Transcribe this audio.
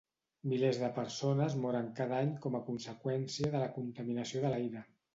Milers de persones moren cada any com a conseqüència de la contaminació de l'aire.